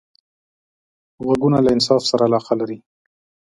غوږونه له انصاف سره علاقه لري